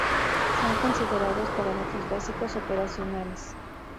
Son considerados parámetros básicos operacionales.